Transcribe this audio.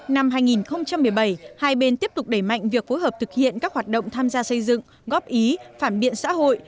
năm hai nghìn một mươi bảy hai bên tiếp tục đẩy mạnh việc phối hợp thực hiện các hoạt động tham gia xây dựng góp ý phản biện xã hội